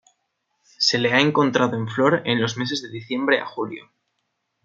Se le ha encontrado en flor en los meses de diciembre a julio.